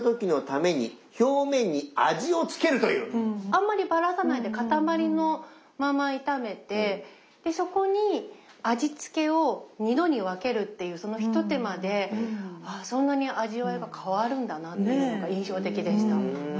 あんまりバラさないで塊のまま炒めてそこに味付けを２度に分けるっていうその一手間でそんなに味わいが変わるんだなぁっていうのが印象的でした。